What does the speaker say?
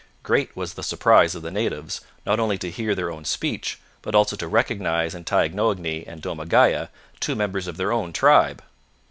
Great was the surprise of the natives not only to hear their own speech, but also to recognize in Taignoagny and Domagaya two members of their own tribe.